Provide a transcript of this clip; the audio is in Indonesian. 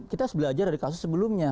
kita harus belajar dari kasus sebelumnya